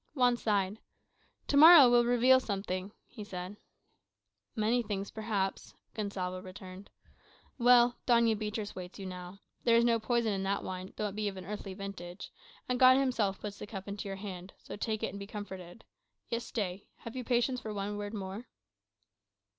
Juan sighed. "To morrow will reveal something," he said. "Many things, perhaps," Gonsalvo returned. "Well Doña Beatriz waits you now. There is no poison in that wine, though it be of an earthly vintage; and God himself puts the cup in your hand; so take it, and be comforted. Yet stay, have you patience for one word more?"